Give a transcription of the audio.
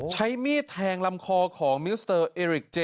ใช้มีดแทงลำคอของมิวสเตอร์เอริกเจ